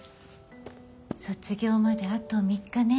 卒業まであと３日ね。